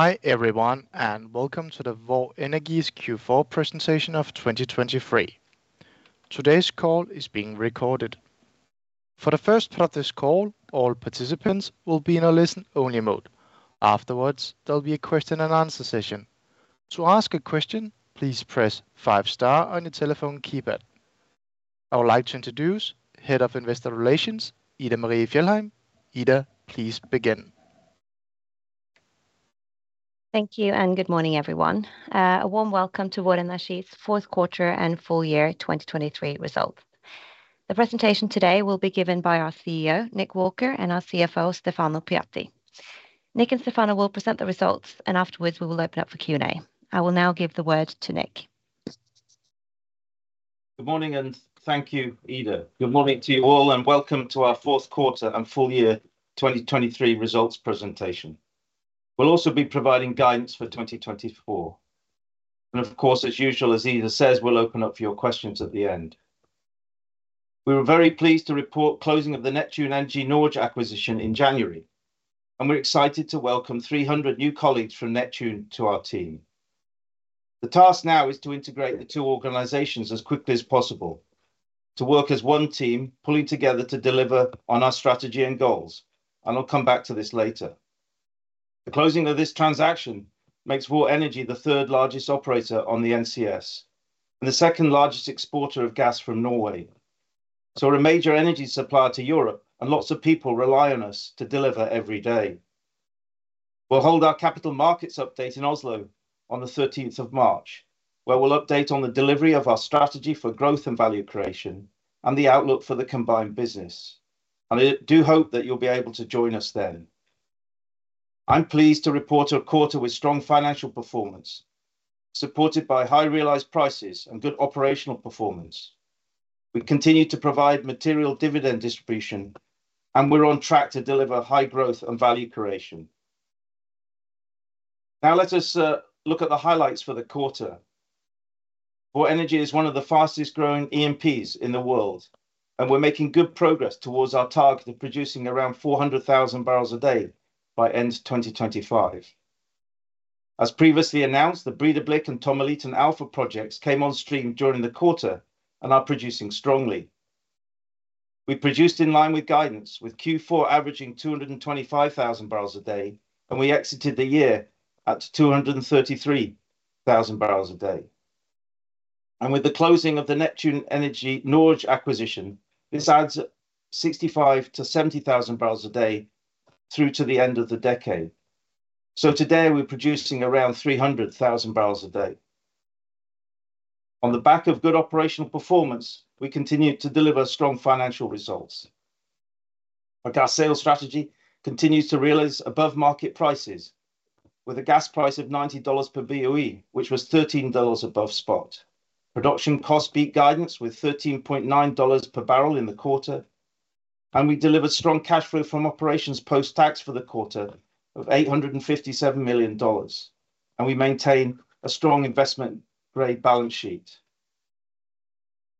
Hi, everyone, and welcome to the Vår Energi's Q4 presentation of 2023. Today's call is being recorded. For the first part of this call, all participants will be in a listen-only mode. Afterwards, there'll be a question and answer session. To ask a question, please press five star on your telephone keypad. I would like to introduce Head of Investor Relations, Ida Marie Fjellheim. Ida, please begin. Thank you, and good morning, everyone. A warm welcome to Vår Energi's fourth quarter and full year 2023 results. The presentation today will be given by our CEO, Nick Walker, and our CFO, Stefano Pujatti. Nick and Stefano will present the results, and afterwards, we will open up for Q&A. I will now give the word to Nick. Good morning, and thank you, Ida. Good morning to you all, and welcome to our fourth quarter and full year 2023 results presentation. We'll also be providing guidance for 2024. Of course, as usual, as Ida says, we'll open up for your questions at the end. We were very pleased to report closing of the Neptune Energy Norge acquisition in January, and we're excited to welcome 300 new colleagues from Neptune to our team. The task now is to integrate the two organizations as quickly as possible, to work as one team, pulling together to deliver on our strategy and goals, and I'll come back to this later. The closing of this transaction makes Vår Energi the third largest operator on the NCS and the second largest exporter of gas from Norway. So we're a major energy supplier to Europe, and lots of people rely on us to deliver every day. We'll hold our capital markets update in Oslo on the thirteenth of March, where we'll update on the delivery of our strategy for growth and value creation and the outlook for the combined business. And I do hope that you'll be able to join us then. I'm pleased to report a quarter with strong financial performance, supported by high realized prices and good operational performance. We continue to provide material dividend distribution, and we're on track to deliver high growth and value creation. Now let us look at the highlights for the quarter. Vår Energi is one of the fastest growing E&Ps in the world, and we're making good progress towards our target of producing around 400,000 bbl a day by end of 2025. As previously announced, the Breidablikk and Tommeliten Alpha projects came on stream during the quarter and are producing strongly. We produced in line with guidance, with Q4 averaging 225,000 bbl a day, and we exited the year at 233,000 bbl a day. With the closing of the Neptune Energy Norge acquisition, this adds 65,000 bbl-70,000 bbl a day through to the end of the decade. Today, we're producing around 300,000 bbl a day. On the back of good operational performance, we continued to deliver strong financial results. Our gas sales strategy continues to realize above-market prices, with a gas price of $90 per BOE, which was $13 above spot. Production cost beat guidance with $13.9 per bbl in the quarter, and we delivered strong cash flow from operations post-tax for the quarter of $857 million, and we maintain a strong investment-grade balance sheet.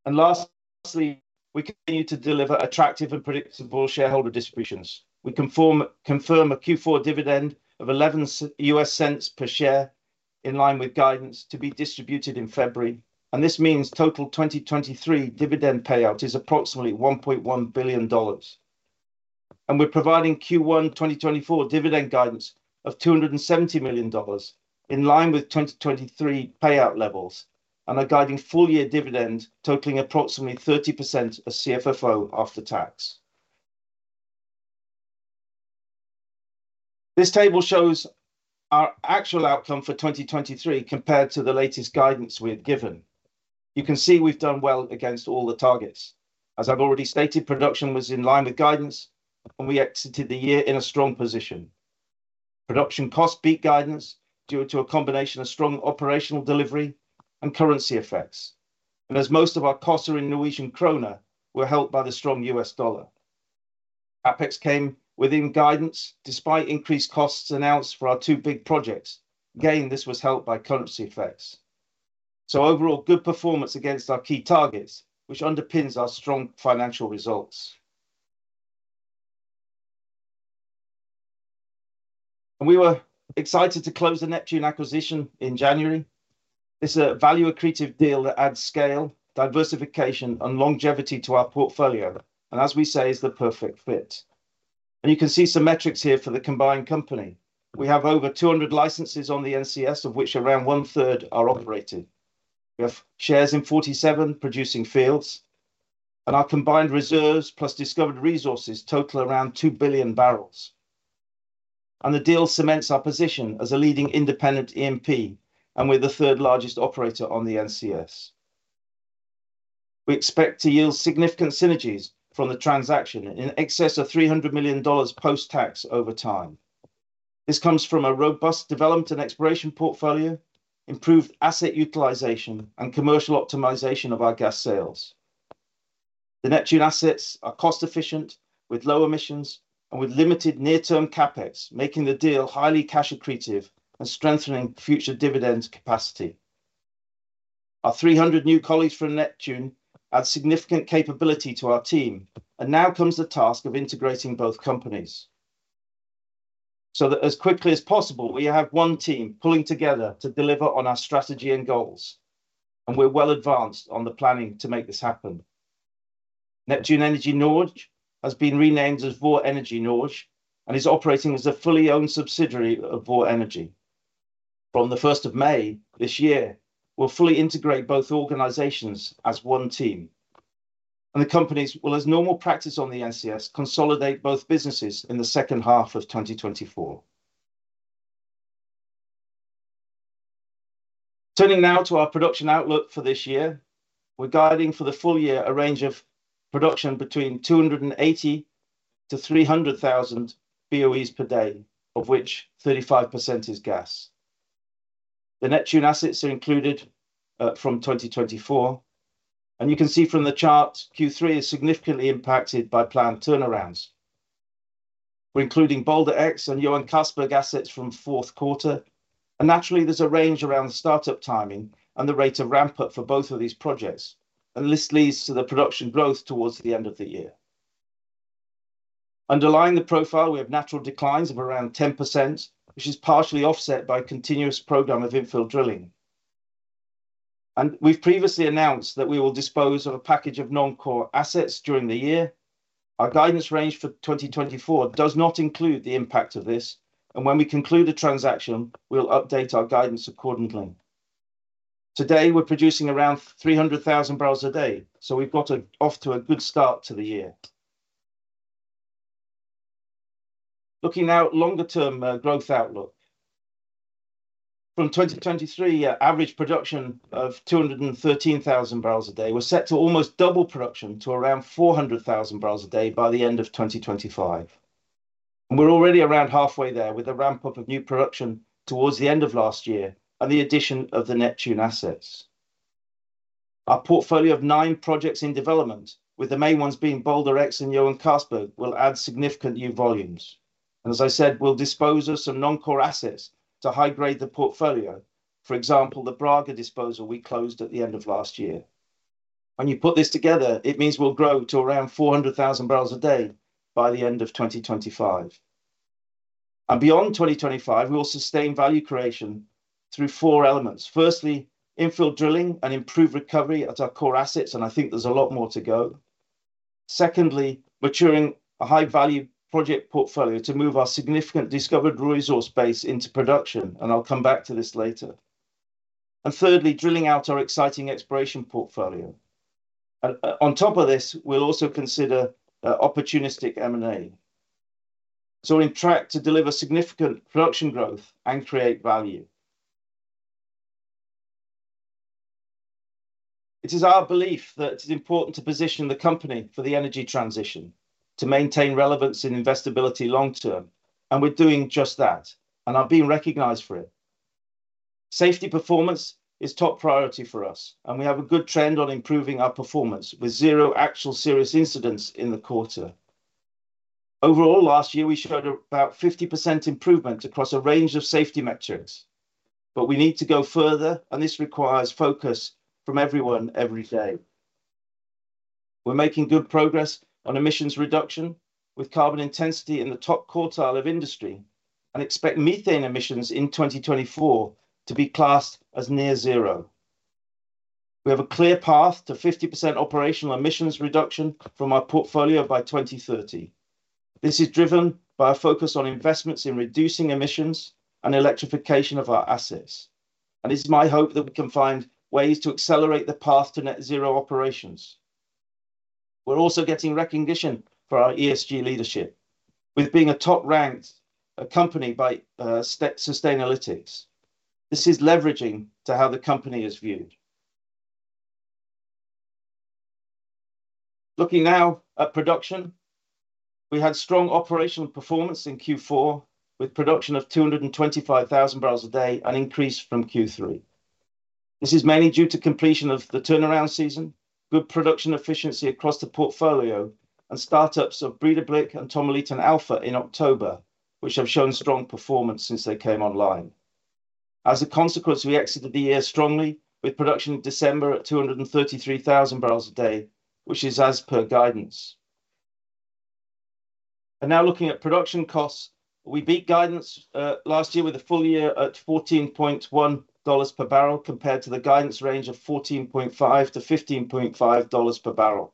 And lastly, we continue to deliver attractive and predictable shareholder distributions. We confirm, confirm a Q4 dividend of $0.11 per share, in line with guidance, to be distributed in February, and this means total 2023 dividend payout is approximately $1.1 billion. And we're providing Q1 2024 dividend guidance of $270 million, in line with 2023 payout levels, and are guiding full-year dividend totaling approximately 30% of CFFO after tax. This table shows our actual outcome for 2023 compared to the latest guidance we had given. You can see we've done well against all the targets. As I've already stated, production was in line with guidance, and we exited the year in a strong position. Production costs beat guidance due to a combination of strong operational delivery and currency effects, and as most of our costs are in Norwegian kroner, we're helped by the strong US dollar. Our OpEx came within guidance, despite increased costs announced for our two big projects. Again, this was helped by currency effects. Overall, good performance against our key targets, which underpins our strong financial results. We were excited to close the Neptune acquisition in January. It's a value-accretive deal that adds scale, diversification, and longevity to our portfolio, and as we say, is the perfect fit. You can see some metrics here for the combined company. We have over 200 licenses on the NCS, of which around one third are operating. We have shares in 47 producing fields, and our combined reserves, plus discovered resources, total around 2 billion bbl. The deal cements our position as a leading independent E&P, and we're the third largest operator on the NCS. We expect to yield significant synergies from the transaction, in excess of $300 million post-tax over time. This comes from a robust development and exploration portfolio, improved asset utilization, and commercial optimization of our gas sales. The Neptune assets are cost-efficient, with low emissions, and with limited near-term CapEx, making the deal highly cash accretive and strengthening future dividends capacity. Our 300 new colleagues from Neptune add significant capability to our team, and now comes the task of integrating both companies. So that as quickly as possible, we have one team pulling together to deliver on our strategy and goals, and we're well advanced on the planning to make this happen. Neptune Energy Norge has been renamed as Vår Energi Norge and is operating as a fully owned subsidiary of Vår Energi. From the first of May this year, we'll fully integrate both organizations as one team, and the companies will, as normal practice on the NCS, consolidate both businesses in the second half of 2024. Turning now to our production outlook for this year, we're guiding for the full year a range of production between 280,000-300,000 BOEs per day, of which 35% is gas. The Neptune assets are included, from 2024, and you can see from the chart, Q3 is significantly impacted by planned turnarounds. We're including Balder X and Johan Castberg assets from fourth quarter, and naturally, there's a range around the startup timing and the rate of ramp up for both of these projects, and this leads to the production growth towards the end of the year. Underlying the profile, we have natural declines of around 10%, which is partially offset by a continuous program of infill drilling. We've previously announced that we will dispose of a package of non-core assets during the year. Our guidance range for 2024 does not include the impact of this, and when we conclude the transaction, we'll update our guidance accordingly. Today, we're producing around 300,000 bbl a day, so we've got it off to a good start to the year. Looking now at longer term growth outlook. From 2023, our average production of 213,000 bbl a day, we're set to almost double production to around 400,000 bbl a day by the end of 2025. We're already around halfway there with a ramp up of new production towards the end of last year and the addition of the Neptune assets. Our portfolio of nine projects in development, with the main ones being Balder X and Johan Castberg, will add significant new volumes, and as I said, we'll dispose of some non-core assets to high-grade the portfolio. For example, the Brage disposal we closed at the end of last year. When you put this together, it means we'll grow to around 400,000 bbl a day by the end of 2025. Beyond 2025, we will sustain value creation through four elements. Firstly, infill drilling and improve recovery at our core assets, and I think there's a lot more to go. Secondly, maturing a high-value project portfolio to move our significant discovered resource base into production, and I'll come back to this later. And thirdly, drilling out our exciting exploration portfolio. On top of this, we'll also consider opportunistic M and A. So we're on track to deliver significant production growth and create value. It is our belief that it is important to position the company for the energy transition, to maintain relevance and investability long term, and we're doing just that, and are being recognized for it. Safety performance is top priority for us, and we have a good trend on improving our performance with zero actual serious incidents in the quarter. Overall, last year, we showed about 50% improvement across a range of safety metrics, but we need to go further, and this requires focus from everyone every day. We're making good progress on emissions reduction, with carbon intensity in the top quartile of industry, and expect methane emissions in 2024 to be classed as near zero. We have a clear path to 50% operational emissions reduction from our portfolio by 2030. This is driven by a focus on investments in reducing emissions and electrification of our assets, and it's my hope that we can find ways to accelerate the path to Net Zero operations. We're also getting recognition for our ESG leadership, with being a top-ranked company by Sustainalytics. This is leveraging to how the company is viewed. Looking now at production, we had strong operational performance in Q4, with production of 225,000 bbls a day, an increase from Q3. This is mainly due to completion of the turnaround season, good production efficiency across the portfolio, and startups of Breidablikk and Tommeliten Alpha in October, which have shown strong performance since they came online. As a consequence, we exited the year strongly, with production in December at 233,000 bbls a day, which is as per guidance. And now looking at production costs, we beat guidance last year with a full year at $14.1 per bbl, compared to the guidance range of $14.5-$15.5 per bbl.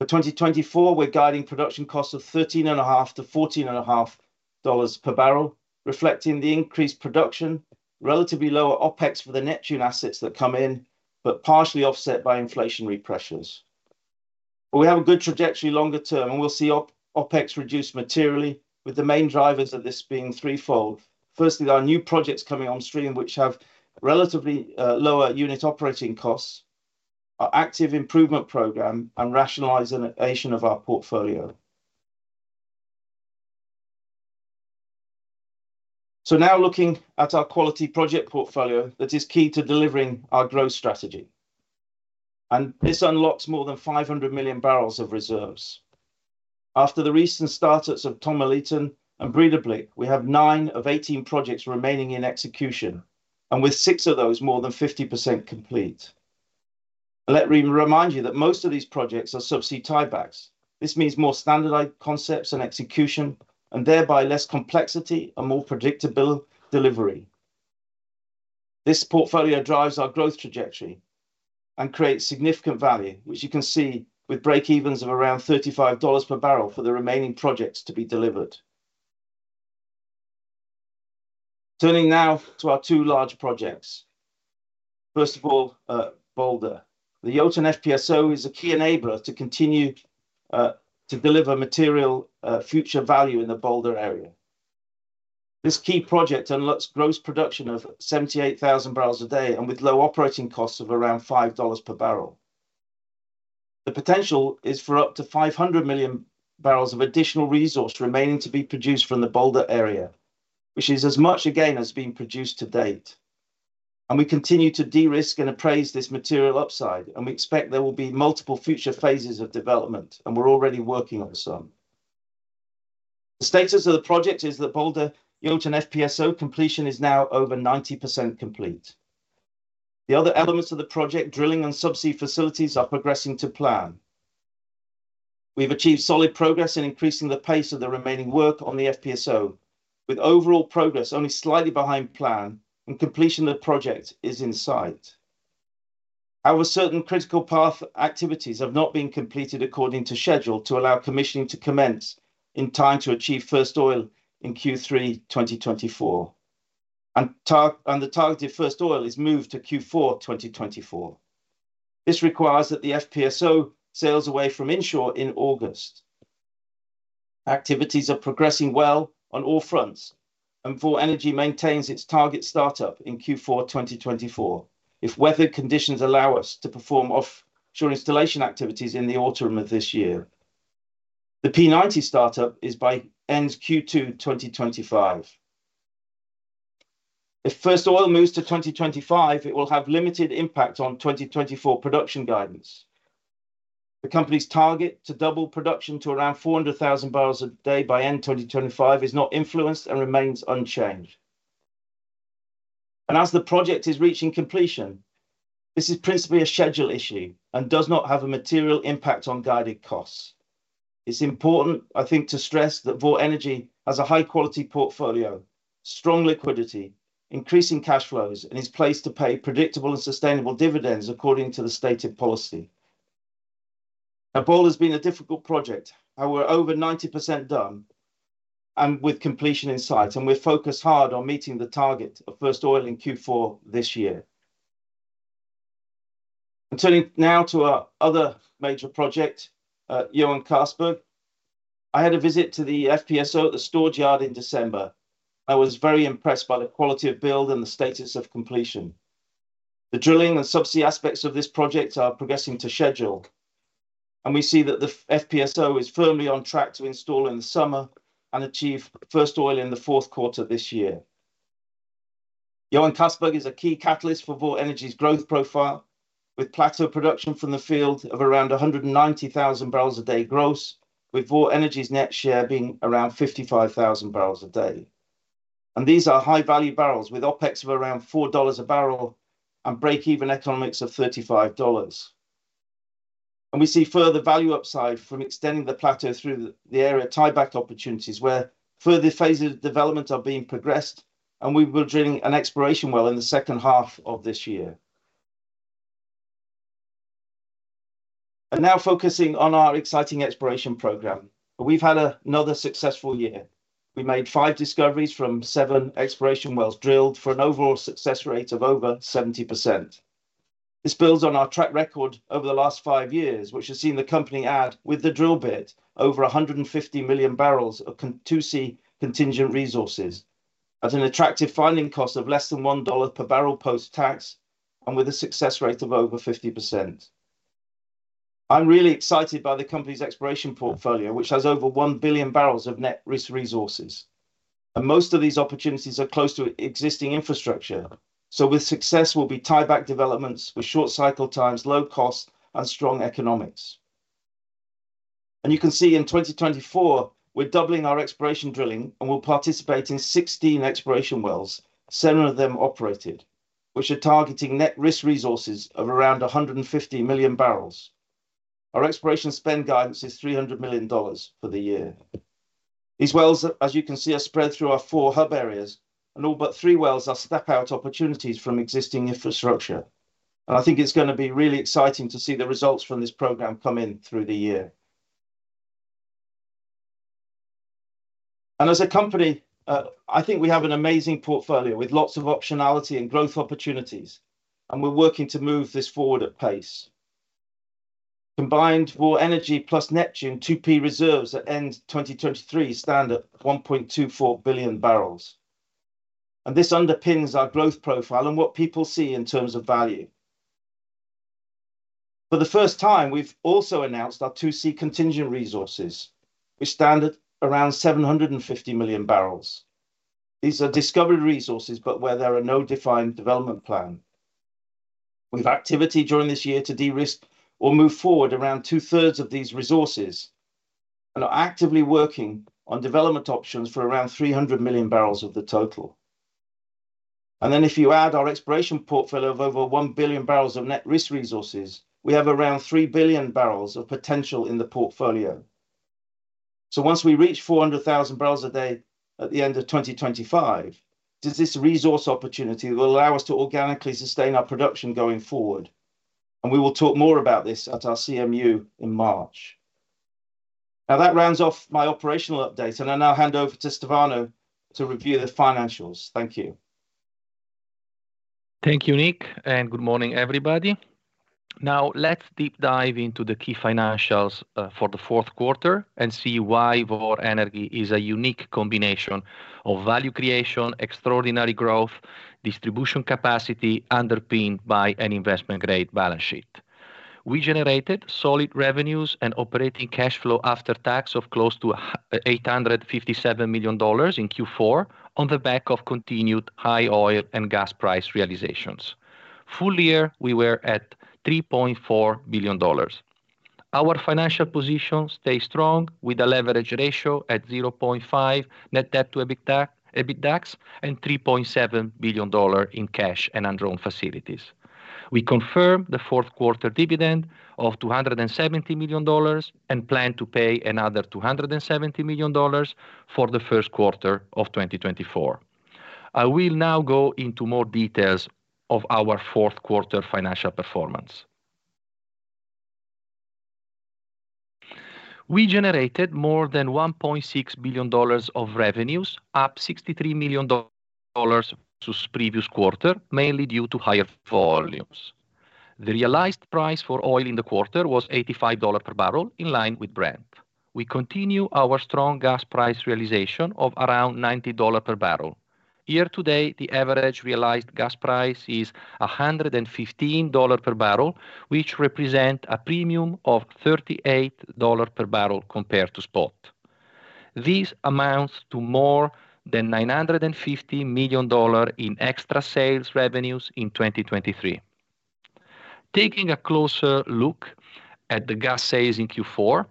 For 2024, we're guiding production costs of $13.5-$14.5 per bbl, reflecting the increased production, relatively lower OpEx for the Neptune assets that come in, but partially offset by inflationary pressures. But we have a good trajectory longer term, and we'll see OpEx reduce materially, with the main drivers of this being threefold. Firstly, there are new projects coming on stream, which have relatively lower unit operating costs, our active improvement program, and rationalization of our portfolio. So now looking at our quality project portfolio, that is key to delivering our growth strategy... and this unlocks more than 500 milllion bbl of reserves. After the recent startups of Tommeliten and Breidablikk, we have nine of 18 projects remaining in execution, and with six of those more than 50% complete. Let me remind you that most of these projects are subsea tie-backs. This means more standardized concepts and execution, and thereby less complexity and more predictable delivery. This portfolio drives our growth trajectory and creates significant value, which you can see with break-evens of around $35 per bbl for the remaining projects to be delivered. Turning now to our two large projects. First of all, Balder. The Jotun FPSO is a key enabler to continue to deliver material future value in the Balder area. This key project unlocks gross production of 78,000 bbls a day, and with low operating costs of around $5 per bbl. The potential is for up to 500 milllion bbl of additional resource remaining to be produced from the Balder area, which is as much again as being produced to date. We continue to de-risk and appraise this material upside, and we expect there will be multiple future phases of development, and we're already working on some. The status of the project is that Balder Jotun FPSO completion is now over 90% complete. The other elements of the project, drilling and subsea facilities, are progressing to plan. We've achieved solid progress in increasing the pace of the remaining work on the FPSO, with overall progress only slightly behind plan, and completion of the project is in sight. However, certain critical path activities have not been completed according to schedule to allow commissioning to commence in time to achieve first oil in Q3 2024, and the targeted first oil is moved to Q4 2024. This requires that the FPSO sails away from inshore in August. Activities are progressing well on all fronts, and Vår Energi maintains its target startup in Q4 2024, if weather conditions allow us to perform offshore installation activities in the autumn of this year. The P90 startup is by end Q2 2025. If first oil moves to 2025, it will have limited impact on 2024 production guidance. The company's target to double production to around 400,000 bbls a day by end 2025 is not influenced and remains unchanged. As the project is reaching completion, this is principally a schedule issue and does not have a material impact on guided costs. It's important, I think, to stress that Vår Energi has a high-quality portfolio, strong liquidity, increasing cash flows, and is placed to pay predictable and sustainable dividends according to the stated policy. Now, Balder has been a difficult project, and we're over 90% done, and with completion in sight, and we're focused hard on meeting the target of first oil in Q4 this year. Turning now to our other major project, Johan Castberg. I had a visit to the FPSO at the storage yard in December. I was very impressed by the quality of build and the status of completion. The drilling and subsea aspects of this project are progressing to schedule, and we see that the FPSO is firmly on track to install in the summer and achieve first oil in the fourth quarter this year. Johan Castberg is a key catalyst for Vår Energi's growth profile, with plateau production from the field of around 190,000 bbls a day gross, with Vår Energi's net share being around 55,000 bbls a day. These are high-value barrels, with OpEx of around $4 a bbl and break-even economics of $35. We see further value upside from extending the plateau through the area tie-back opportunities, where further phases of development are being progressed, and we will be drilling an exploration well in the second half of this year. Now focusing on our exciting exploration program. We've had another successful year. We made five discoveries from seven exploration wells drilled for an overall success rate of over 70%. This builds on our track record over the last five years, which has seen the company add, with the drill bit, over 150milllion bbl of 2C contingent resources at an attractive finding cost of less than $1 per bbl post-tax and with a success rate of over 50%. I'm really excited by the company's exploration portfolio, which has over 1 billion bbls of net risk resources, and most of these opportunities are close to existing infrastructure. So with success will be tieback developments with short cycle times, low cost, and strong economics. And you can see in 2024, we're doubling our exploration drilling and we'll participate in 16 exploration wells, seven of them operated, which are targeting net risk resources of around 150 milllion bbl. Our exploration spend guidance is $300 million for the year. These wells, as you can see, are spread through our four hub areas, and all but three wells are step-out opportunities from existing infrastructure. And I think it's gonna be really exciting to see the results from this program come in through the year. As a company, I think we have an amazing portfolio with lots of optionality and growth opportunities, and we're working to move this forward at pace. Combined, Vår Energi plus Neptune, 2P reserves at end 2023 stand at 1.24 billion bbls, and this underpins our growth profile and what people see in terms of value. For the first time, we've also announced our 2C contingent resources, which stand at around 750 milllion bbl... These are discovered resources, but where there are no defined development plan. With activity during this year to de-risk or move forward around two-thirds of these resources, and are actively working on development options for around 300 milllion bbl of the total. And then if you add our exploration portfolio of over 1 billion bbls of net risk resources, we have around 3 billion bbls of potential in the portfolio. So once we reach 400,000 bbls a day at the end of 2025, it is this resource opportunity that will allow us to organically sustain our production going forward, and we will talk more about this at our CMU in March. Now, that rounds off my operational update, and I now hand over to Stefano to review the financials. Thank you. Thank you, Nick, and good morning, everybody. Now, let's deep dive into the key financials for the fourth quarter and see why Vår Energi is a unique combination of value creation, extraordinary growth, distribution capacity, underpinned by an investment-grade balance sheet. We generated solid revenues and operating cash flow after tax of close to $857 million in Q4 on the back of continued high oil and gas price realizations. Full year, we were at $3.4 billion. Our financial position stays strong, with a leverage ratio at 0.5 net debt to EBITDAX, and $3.7 billion in cash and undrawn facilities. We confirm the fourth quarter dividend of $270 million, and plan to pay another $270 million for the first quarter of 2024. I will now go into more details of our fourth quarter financial performance. We generated more than $1.6 billion of revenues, up $63 million dollars to previous quarter, mainly due to higher volumes. The realized price for oil in the quarter was $85 per bbl, in line with Brent. We continue our strong gas price realization of around $90 per bbl. Year to date, the average realized gas price is $115 per bbl, which represent a premium of $38 per bbl compared to spot. This amounts to more than $950 million in extra sales revenues in 2023. Taking a closer look at the gas sales in Q4,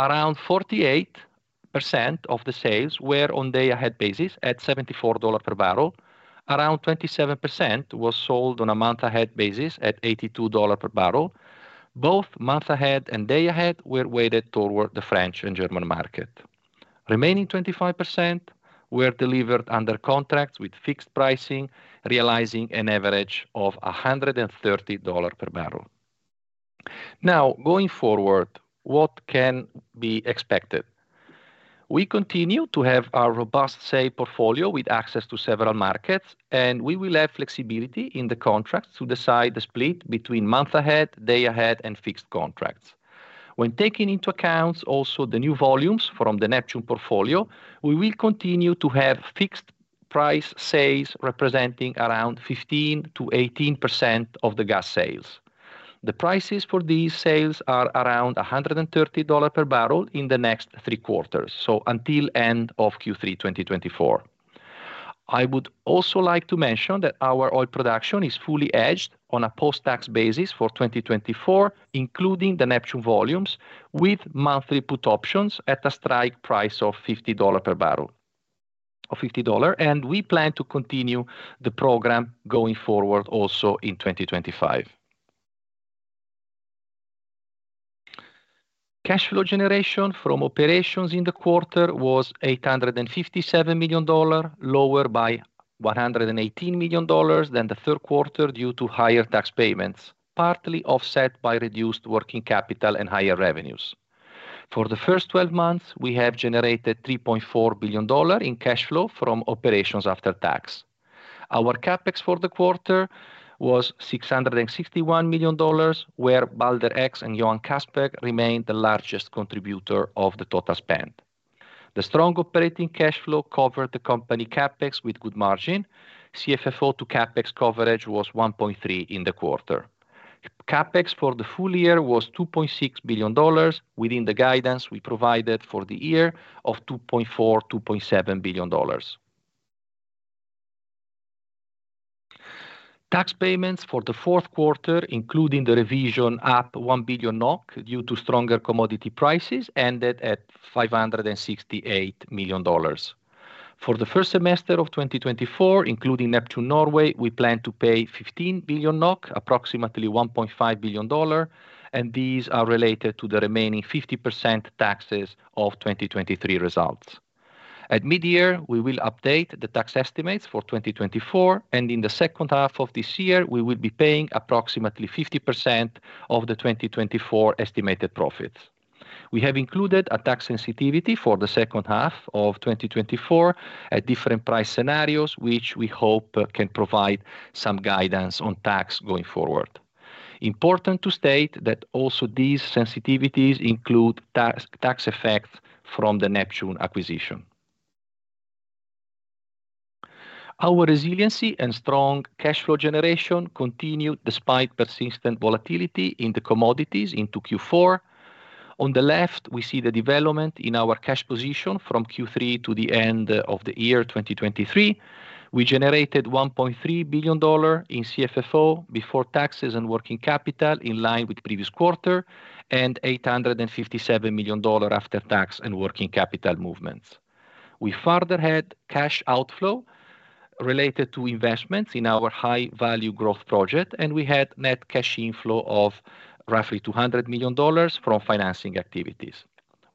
around 48% of the sales were on day ahead basis at $74 per bbl. Around 27% was sold on a month ahead basis at $82 per bbl. Both month ahead and day ahead were weighted toward the French and German market. Remaining 25% were delivered under contracts with fixed pricing, realizing an average of $130 per bbl. Now, going forward, what can be expected? We continue to have our robust sale portfolio with access to several markets, and we will have flexibility in the contracts to decide the split between month ahead, day ahead, and fixed contracts. When taking into account also the new volumes from the Neptune portfolio, we will continue to have fixed price sales representing around 15%-18% of the gas sales. The prices for these sales are around $130 per bbl in the next three quarters, so until end of Q3 2024. I would also like to mention that our oil production is fully hedged on a post-tax basis for 2024, including the Neptune volumes, with monthly put options at a strike price of $50 per bbl... or $50, and we plan to continue the program going forward also in 2025. Cash flow generation from operations in the quarter was $857 million, lower by $118 million than the third quarter due to higher tax payments, partly offset by reduced working capital and higher revenues. For the first 12 months, we have generated $3.4 billion in cash flow from operations after tax. Our CapEx for the quarter was $661 million, where Balder X and Johan Castberg remained the largest contributor of the total spend. The strong operating cash flow covered the company CapEx with good margin. CFFO to CapEx coverage was 1.3 in the quarter. CapEx for the full year was $2.6 billion, within the guidance we provided for the year of $2.4 billion-$2.7 billion. Tax payments for the fourth quarter, including the revision up 1 billion NOK, due to stronger commodity prices, ended at $568 million. For the first semester of 2024, including Neptune Norway, we plan to pay 15 billion NOK, approximately $1.5 billion, and these are related to the remaining 50% taxes of 2023 results. At mid-year, we will update the tax estimates for 2024, and in the second half of this year, we will be paying approximately 50% of the 2024 estimated profits. We have included a tax sensitivity for the second half of 2024 at different price scenarios, which we hope can provide some guidance on tax going forward. Important to state that also these sensitivities include tax, tax effects from the Neptune acquisition. Our resiliency and strong cash flow generation continued despite persistent volatility in the commodities into Q4. On the left, we see the development in our cash position from Q3 to the end of the year 2023. We generated $1.3 billion in CFFO before taxes and working capital, in line with previous quarter, and $857 million after tax and working capital movements. We further had cash outflow related to investments in our high-value growth project, and we had net cash inflow of roughly $200 million from financing activities.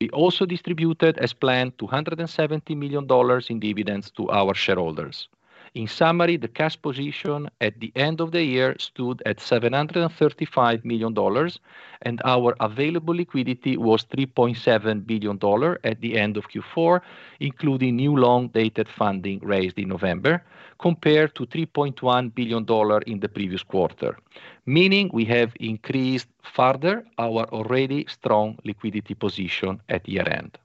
We also distributed, as planned, $270 million in dividends to our shareholders. In summary, the cash position at the end of the year stood at $735 million, and our available liquidity was $3.7 billion at the end of Q4, including new long-dated funding raised in November, compared to $3.1 billion in the previous quarter, meaning we have increased further our already strong liquidity position at year-end.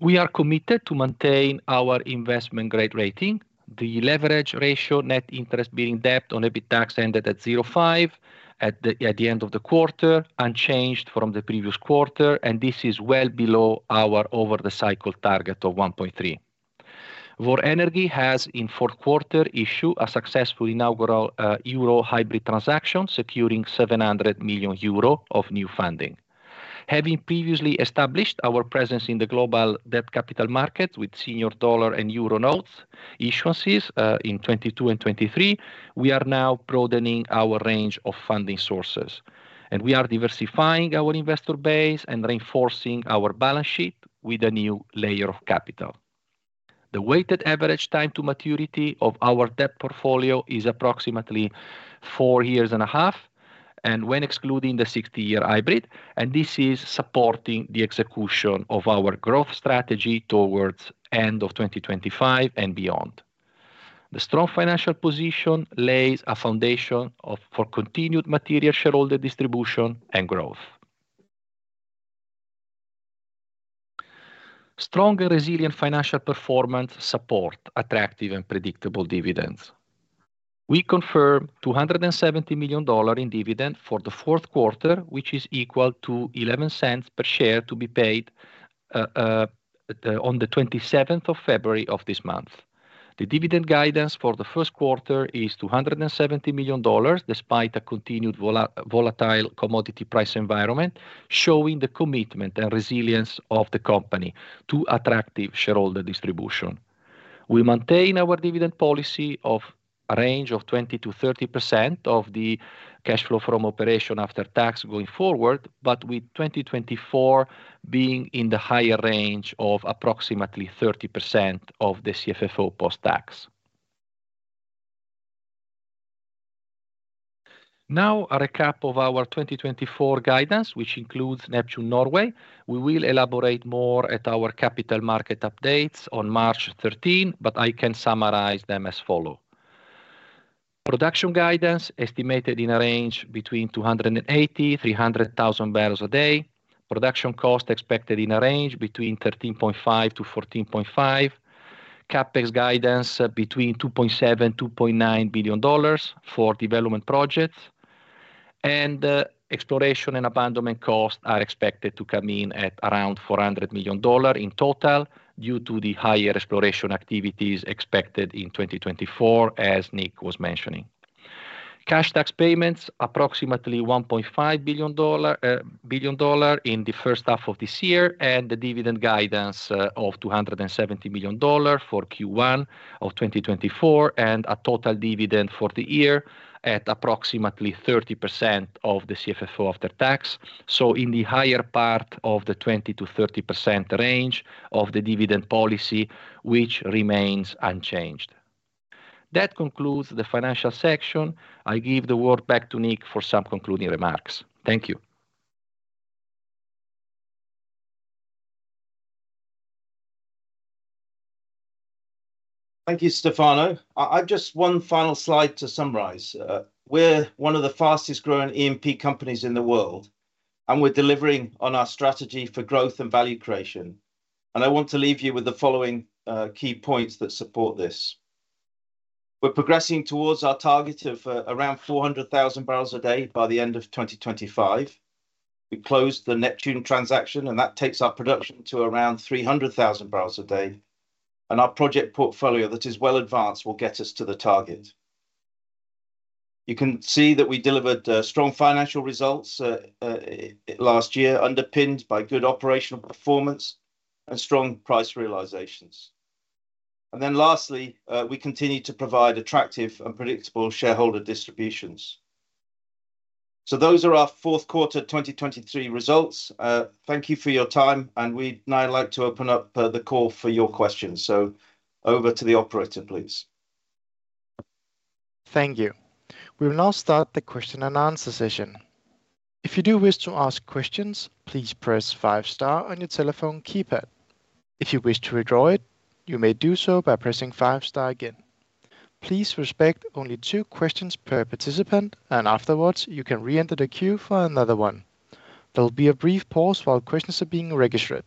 We are committed to maintain our investment grade rating. The leverage ratio, net interest being debt on EBITDA, ended at 0.5 at the end of the quarter, unchanged from the previous quarter, and this is well below our over the cycle target of 1.3. Vår Energi has, in fourth quarter, issued a successful inaugural euro hybrid transaction, securing 700 million euro of new funding. Having previously established our presence in the global debt capital market with senior dollar and euro notes issuances in 2022 and 2023, we are now broadening our range of funding sources, and we are diversifying our investor base and reinforcing our balance sheet with a new layer of capital. The weighted average time to maturity of our debt portfolio is approximately four years and a half, and when excluding the 60-year hybrid, and this is supporting the execution of our growth strategy towards end of 2025 and beyond. The strong financial position lays a foundation of for continued material shareholder distribution and growth. Strong and resilient financial performance support attractive and predictable dividends. We confirm $270 million in dividend for the fourth quarter, which is equal to $0.11 per share to be paid on the February 27th of this month. The dividend guidance for the first quarter is $270 million, despite a continued volatile commodity price environment, showing the commitment and resilience of the company to attractive shareholder distribution. We maintain our dividend policy of a range of 20%-30% of the cash flow from operation after tax going forward, but with 2024 being in the higher range of approximately 30% of the CFFO post-tax. Now, a recap of our 2024 guidance, which includes Neptune Norway. We will elaborate more at our capital market updates on March 13, but I can summarize them as follow. Production guidance estimated in a range between 280,000-300,000 bbls a day. Production cost expected in a range between $13.5-$14.5. CapEx guidance between $2.7 billion-$2.9 billion for development projects. Exploration and abandonment costs are expected to come in at around $400 million in total, due to the higher exploration activities expected in 2024, as Nick was mentioning. Cash tax payments, approximately $1.5 billion dollar, billion dollar in the first half of this year, and the dividend guidance, of $270 million for Q1 of 2024, and a total dividend for the year at approximately 30% of the CFFO after tax. So in the higher part of the 20%-30% range of the dividend policy, which remains unchanged. That concludes the financial section. I give the word back to Nick for some concluding remarks. Thank you. Thank you, Stefano. I've just one final slide to summarize. We're one of the fastest growing E&P companies in the world, and we're delivering on our strategy for growth and value creation. I want to leave you with the following key points that support this. We're progressing towards our target of around 400,000 bbls a day by the end of 2025. We closed the Neptune transaction, and that takes our production to around 300,000 bbls a day, and our project portfolio that is well advanced will get us to the target. You can see that we delivered strong financial results last year, underpinned by good operational performance and strong price realizations. Then lastly, we continue to provide attractive and predictable shareholder distributions. So those are our fourth quarter 2023 results. Thank you for your time, and we'd now like to open up the call for your questions. Over to the operator, please. Thank you. We will now start the question and answer session. If you do wish to ask questions, please press five star on your telephone keypad. If you wish to withdraw it, you may do so by pressing five star again.... Please respect only two questions per participant, and afterwards, you can re-enter the queue for another one. There'll be a brief pause while questions are being registered.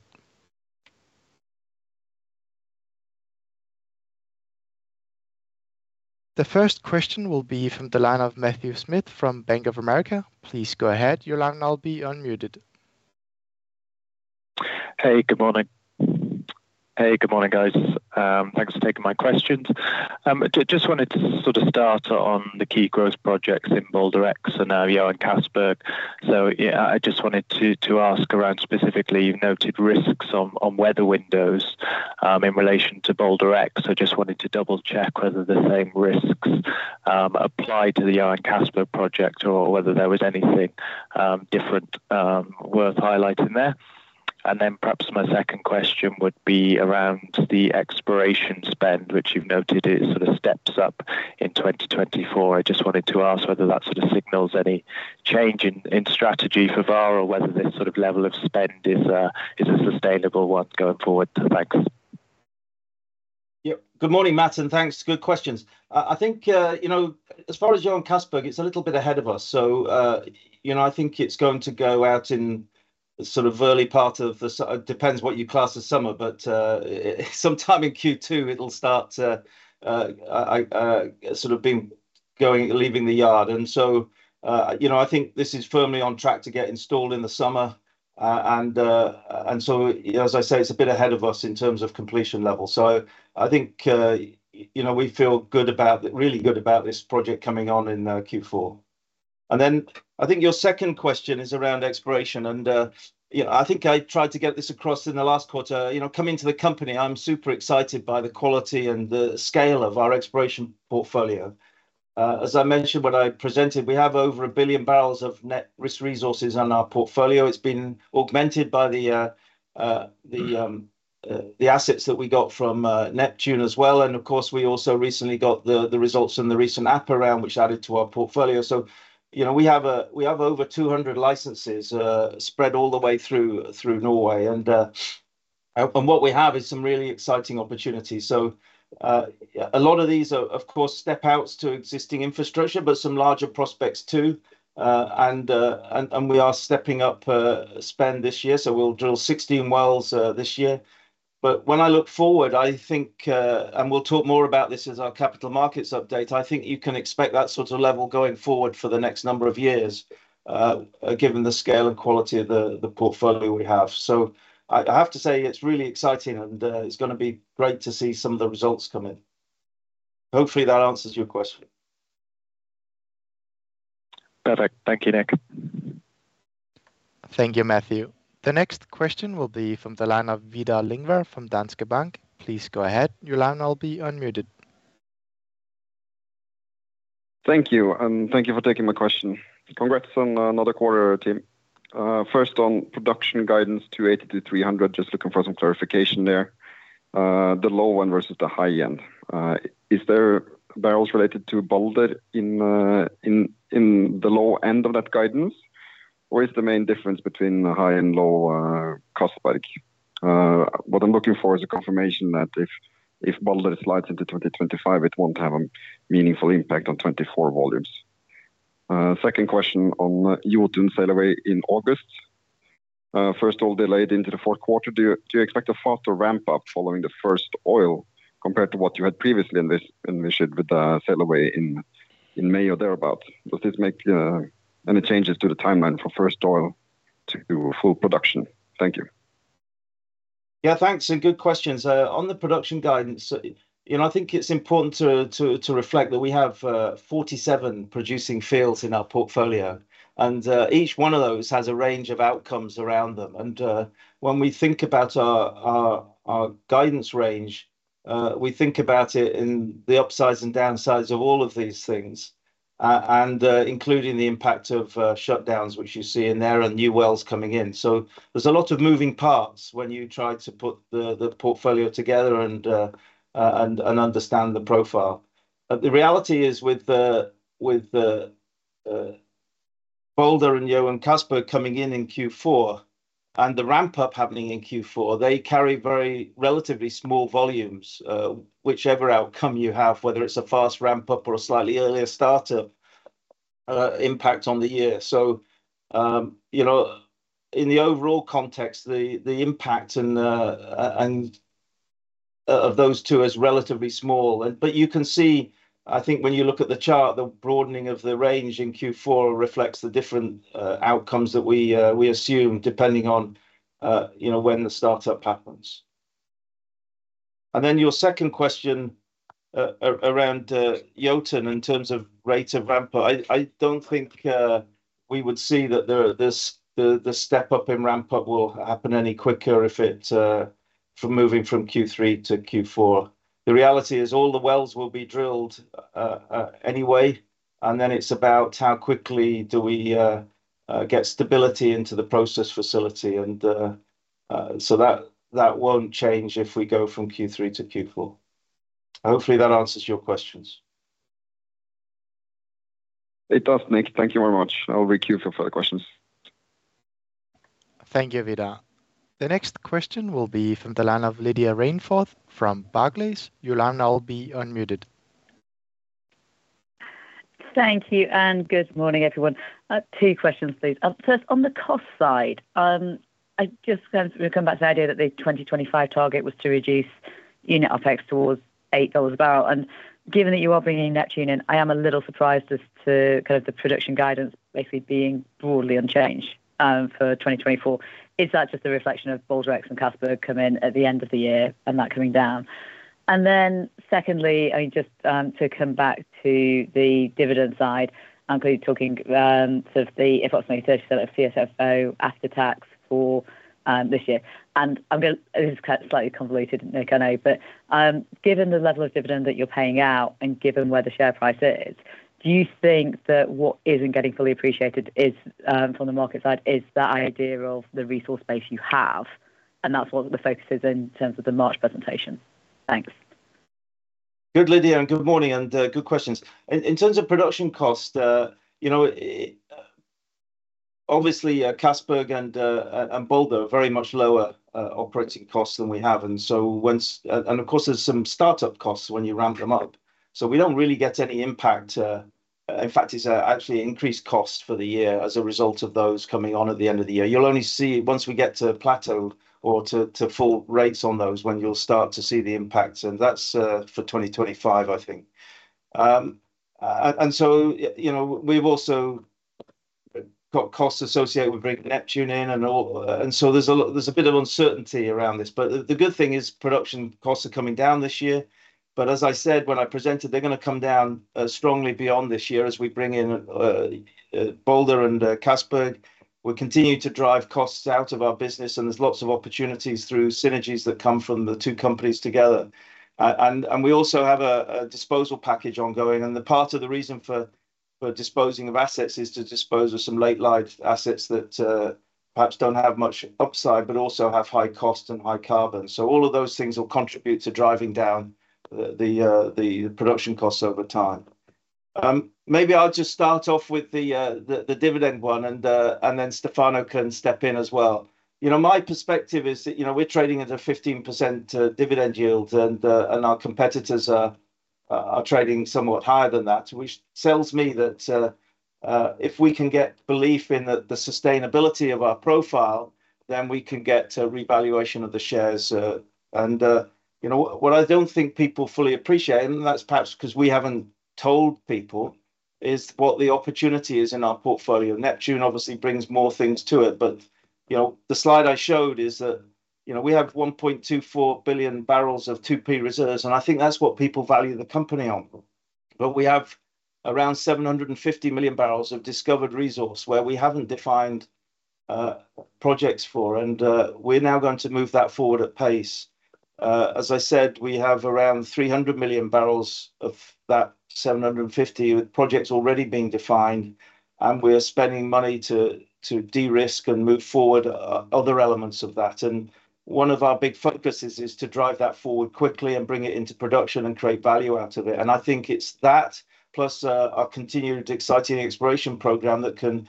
The first question will be from the line of Matthew Smith from Bank of America. Please go ahead. Your line now will be unmuted. Hey, good morning. Hey, good morning, guys. Thanks for taking my questions. Just wanted to sort of start on the key growth projects in Balder X and now Johan Castberg. So, yeah, I just wanted to ask around specifically, you've noted risks on weather windows in relation to Balder X. I just wanted to double-check whether the same risks apply to the Johan Castberg project or whether there was anything different worth highlighting there? And then perhaps my second question would be around the exploration spend, which you've noted it sort of steps up in 2024. I just wanted to ask whether that sort of signals any change in strategy for Vår or whether this sort of level of spend is a sustainable one going forward. Thanks. Yep. Good morning, Matt, and thanks. Good questions. I think, you know, as far as Johan Castberg, it's a little bit ahead of us. So, you know, I think it's going to go out in sort of early part of the summer, depends what you class as summer, but, sometime in Q2, it'll start, sort of been going, leaving the yard. And so, you know, I think this is firmly on track to get installed in the summer. And so, as I say, it's a bit ahead of us in terms of completion level. So I think, you know, we feel good about, really good about this project coming on in, Q4. And then I think your second question is around exploration, and, you know, I think I tried to get this across in the last quarter. You know, coming to the company, I'm super excited by the quality and the scale of our exploration portfolio. As I mentioned when I presented, we have over 1 billion bbls of net risk resources on our portfolio. It's been augmented by the assets that we got from Neptune as well. And of course, we also recently got the results in the recent APA round, which added to our portfolio. So, you know, we have a, we have over 200 licenses, spread all the way through Norway, and what we have is some really exciting opportunities. So, a lot of these are, of course, step outs to existing infrastructure, but some larger prospects too. And we are stepping up spend this year, so we'll drill 16 wells this year. But when I look forward, I think, and we'll talk more about this as our Capital Markets Update, I think you can expect that sort of level going forward for the next number of years, given the scale and quality of the portfolio we have. So I have to say, it's really exciting, and it's gonna be great to see some of the results come in. Hopefully, that answers your question. Perfect. Thank you, Nick. Thank you, Matthew. The next question will be from the line of Vidar Lyngvær from Danske Bank. Please go ahead. Your line will be unmuted. Thank you, and thank you for taking my question. Congrats on another quarter, team. First, on production guidance, 280-300, just looking for some clarification there. The low end versus the high end. Is there bbls related to Balder in the low end of that guidance? Or is the main difference between the high and low Brage? What I'm looking for is a confirmation that if Balder slides into 2025, it won't have a meaningful impact on 2024 volumes. Second question on Jotun sail away in August. First oil delayed into the fourth quarter, do you expect a faster ramp-up following the first oil compared to what you had previously in this with the sail away in May or thereabout? Does this make any changes to the timeline for first oil to do a full production? Thank you. Yeah, thanks, and good questions. On the production guidance, you know, I think it's important to reflect that we have 47 producing fields in our portfolio, and each one of those has a range of outcomes around them. When we think about our guidance range, we think about it in the upsides and downsides of all of these things, and including the impact of shutdowns, which you see in there, and new wells coming in. So there's a lot of moving parts when you try to put the portfolio together and understand the profile. But the reality is with the Balder and Johan Castberg coming in in Q4, and the ramp-up happening in Q4, they carry very relatively small volumes, whichever outcome you have, whether it's a fast ramp-up or a slightly earlier startup, impact on the year. So, you know, in the overall context, the impact and of those two is relatively small. But you can see, I think when you look at the chart, the broadening of the range in Q4 reflects the different outcomes that we assume, depending on, you know, when the startup happens. And then your second question, around Jotun in terms of rates of ramp-up, I don't think we would see that this step-up in ramp-up will happen any quicker if it's from moving from Q3 to Q4. The reality is all the wells will be drilled anyway, and then it's about how quickly do we get stability into the process facility, and so that won't change if we go from Q3 to Q4. Hopefully, that answers your questions.... It does, Nick. Thank you very much. I'll cue you for further questions. Thank you, Vidar. The next question will be from the line of Lydia Rainforth from Barclays. Your line now will be unmuted. Thank you, and good morning, everyone. Two questions, please. First, on the cost side, I just kind of come back to the idea that the 2025 target was to reduce unit OpEx towards $8 a bbl. And given that you are bringing Neptune in, I am a little surprised as to kind of the production guidance basically being broadly unchanged for 2024. Is that just a reflection of Balder X and Johan Castberg coming in at the end of the year and that coming down? And then secondly, I mean, just to come back to the dividend side, I'm going to be talking sort of the approximately 30% of CFFO after tax for this year. And I'm going... This is kind of slightly convoluted, Nick, I know, but, given the level of dividend that you're paying out and given where the share price is, do you think that what isn't getting fully appreciated is, from the market side, is the idea of the resource base you have, and that's what the focus is in terms of the March presentation? Thanks. Good, Lydia, and good morning, and good questions. In terms of production cost, you know, obviously, Castberg and Balder are very much lower operating costs than we have. And so, of course, there's some startup costs when you ramp them up, so we don't really get any impact. In fact, it's actually increased cost for the year as a result of those coming on at the end of the year. You'll only see once we get to plateau or to full rates on those, when you'll start to see the impacts, and that's for 2025, I think. And so, you know, we've also got costs associated with bringing Neptune in and all. There's a bit of uncertainty around this, but the good thing is production costs are coming down this year. But as I said when I presented, they're going to come down strongly beyond this year as we bring in Balder and Castberg. We continue to drive costs out of our business, and there's lots of opportunities through synergies that come from the two companies together. And we also have a disposal package ongoing, and the part of the reason for disposing of assets is to dispose of some late life assets that perhaps don't have much upside, but also have high cost and high carbon. So all of those things will contribute to driving down the production costs over time. Maybe I'll just start off with the dividend one, and then Stefano can step in as well. You know, my perspective is that, you know, we're trading at a 15% dividend yield, and our competitors are trading somewhat higher than that, which tells me that, if we can get belief in the sustainability of our profile, then we can get a revaluation of the shares. You know, what I don't think people fully appreciate, and that's perhaps 'cause we haven't told people, is what the opportunity is in our portfolio. Neptune obviously brings more things to it, but, you know, the slide I showed is that, you know, we have 1.24 billion bbls of 2P reserves, and I think that's what people value the company on. But we have around 750 million bbls of discovered resource where we haven't defined projects for, and we're now going to move that forward at pace. As I said, we have around 300 million bbls of that 750, with projects already being defined, and we are spending money to de-risk and move forward other elements of that. And one of our big focuses is to drive that forward quickly and bring it into production and create value out of it. And I think it's that, plus our continued exciting exploration program that can